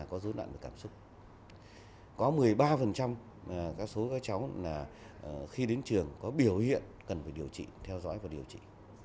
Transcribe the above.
có một mươi ba các cháu khi đến trường có biểu hiện cần phải điều trị theo dõi và điều trị